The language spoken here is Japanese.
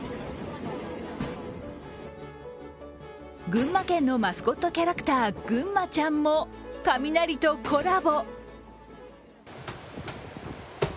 群馬県のマスコットキャラクター、ぐんまちゃんも雷とコラボ。